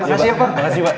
makasih ya pak